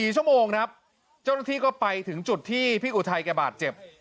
๔ชั่วโมงครับเจ้าหน้าที่ก็ไปถึงจุดที่พี่อุทัยแกบาดเจ็บ